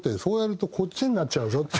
「そうやるとこっちになっちゃうぞ」